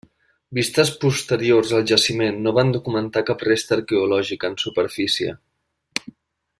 Visites posteriors al jaciment no van documentar cap resta arqueològica en superfície.